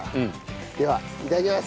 ではいただきます。